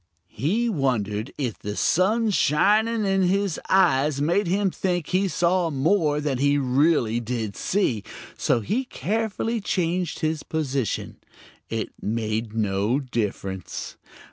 He wondered if the sun shining in his eyes made him think he saw more than he really did see, so he carefully changed his position. It made no difference.